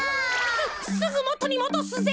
すぐもとにもどすぜ。